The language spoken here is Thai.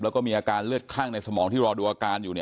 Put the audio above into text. แล้วก็มีอาการเลือดคลั่งในสมองที่รอดูอาการอยู่